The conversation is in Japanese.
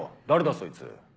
そいつ。